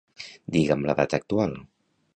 Digue'm la data actual.